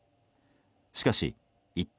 しかし、一転。